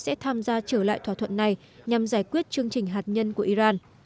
sẽ tham gia trở lại thỏa thuận này nhằm giải quyết chương trình hạt nhân của iran